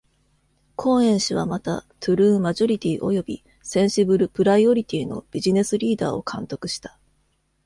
コーエン氏はまた、トゥルー・マジョリティおよびセンシブル・プライオリティのビジネスリーダーを監督した。